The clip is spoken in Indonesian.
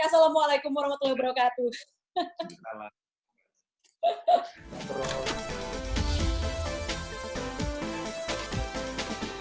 assalamualaikum warahmatullahi wabarakatuh